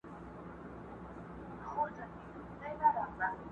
ډبرینه یې قلا لیري له ښاره!.